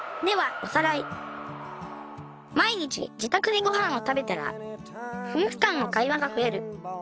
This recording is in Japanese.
ではおさらい毎日自宅でご飯を食べたら夫婦間の会話が増える